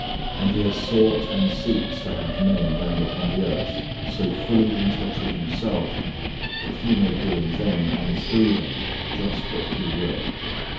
And He has sought and seeks to have men down upon the earth so fully in touch with Himself that He may do in them and through them just what He will.